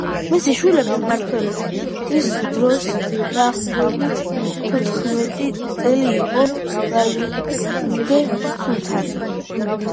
მისი შვილის მმართველობის დროს დაახლოებით თოთხმეტი წელი იყო ვალიდე სულთანი.